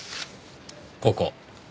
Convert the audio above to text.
ここ。